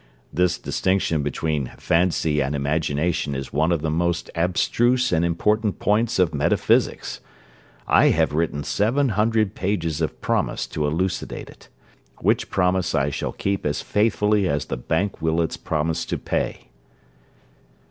This distinction between fancy and imagination is one of the most abstruse and important points of metaphysics. I have written seven hundred pages of promise to elucidate it, which promise I shall keep as faithfully as the bank will its promise to pay.